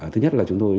thứ nhất là chúng tôi